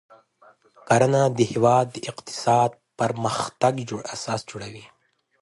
کرنه د هیواد د اقتصادي پرمختګ اساس جوړوي.